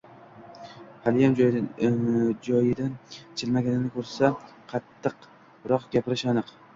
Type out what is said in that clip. Haliyam joyidan jilmaganini koʻrsa, qattiqroq gapirishi aniq.